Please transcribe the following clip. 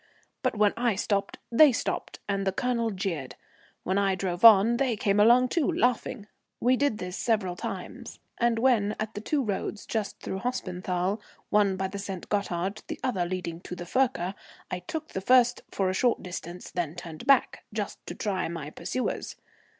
But when I stopped they stopped, and the Colonel jeered. When I drove on they came along too, laughing. We did this several times; and when at the two roads just through Hospenthal, one by the St. Gothard, the other leading to the Furka, I took the first for a short distance, then turned back, just to try my pursuers.